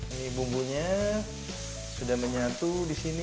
ini bumbunya sudah menyatu disini